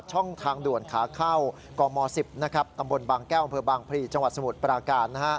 ช่องทางด่วนขาเข้ากม๑๐ตำบลบางแก้วบบางพลีจสมุทรปราการ